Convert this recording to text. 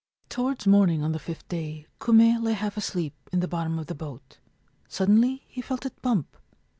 Towards morning on the fifth day Kume lay half asleep in the bottom of the boat. Suddenly he felt it bump.